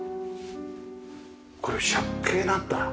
これは借景なんだ。